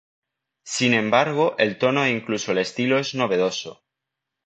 Sin embargo el tono e incluso el estilo es novedoso.